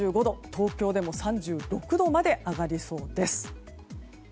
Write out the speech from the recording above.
東京でも３６度まで上がりそうです。